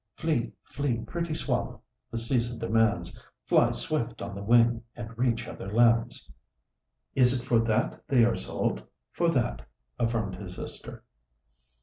Flee, flee, pretty swallow, the season demands, Fly swift on the wing, and reach other lands." "Is it for that they are sold?" "For that," affirmed his sister.